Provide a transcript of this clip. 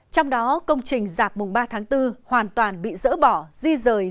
trong đó công trình dạp mùng ba tháng bốn hoàn toàn bị dỡ bỏ di rời